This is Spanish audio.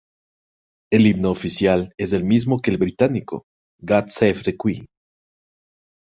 El himno oficial es el mismo que el británico, "God Save the Queen".